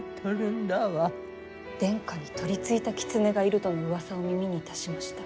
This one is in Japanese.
殿下に取りついた狐がいるとのうわさを耳にいたしました。